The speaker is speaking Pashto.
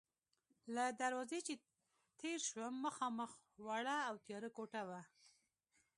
له دروازې چې تېر شوم، مخامخ وړه او تیاره کوټه وه.